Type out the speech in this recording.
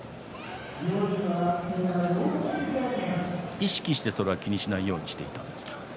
意識してそれは気にしないようにしていたんですか？